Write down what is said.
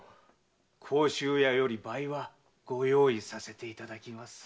甲州屋より倍はご用意させていただきます。